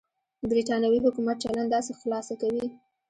برېټانوي حکومت چلند داسې خلاصه کوي.